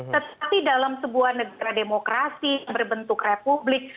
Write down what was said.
tetapi dalam sebuah negara demokrasi yang berbentuk republik